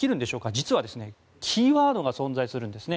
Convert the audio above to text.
実は、キーワードが存在するんですね。